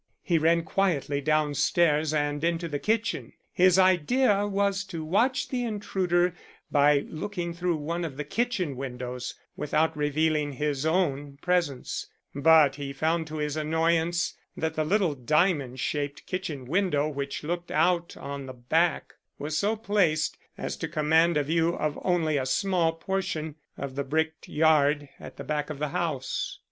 He ran quietly downstairs and into the kitchen. His idea was to watch the intruder by looking through one of the kitchen windows, without revealing his own presence, but he found to his annoyance that the little diamond shaped kitchen window which looked out on the back was so placed as to command a view of only a small portion of the bricked yard at the back of the house.